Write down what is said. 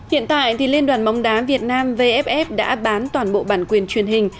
hiện tại liên đoàn bóng đá việt nam vff đã bán toàn bộ bản quyền truyền hình